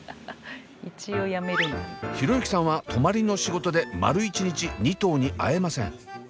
博之さんは泊まりの仕事で丸一日２頭に会えません。